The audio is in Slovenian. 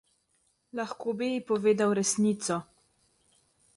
Lahko bi ji povedal resnico.